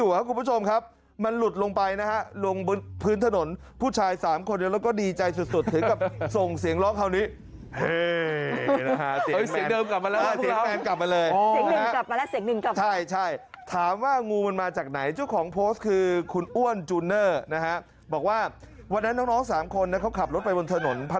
วิธีแรกเล่งเครื่องเลย